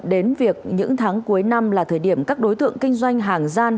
đến việc những tháng cuối năm là thời điểm các đối tượng kinh doanh hàng gian